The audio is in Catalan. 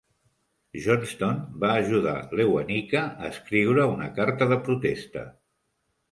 Johnston va ajudar Lewanika a escriure una carta de protesta.